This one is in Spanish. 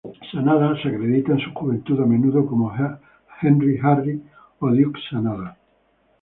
Sanada se acredita en su juventud a menudo como Henry, Harry, o Duke Sanada.